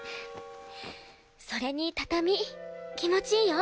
それに畳気持ちいいよ。